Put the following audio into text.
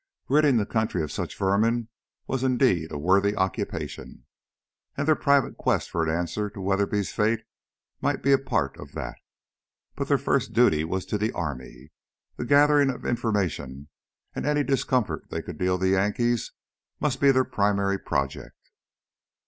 Ridding the country of such vermin was indeed a worthy occupation. And their private quest for an answer to Weatherby's fate might be a part of that. But their first duty was to the army: The gathering of information, and any discomfort they could deal the Yankees, must be their primary project.